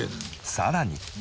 さらに。